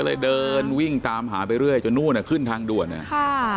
เลยเดินวิ่งตามหาไปเรื่อยจนนู่นอ่ะขึ้นทางด่วนอ่ะค่ะ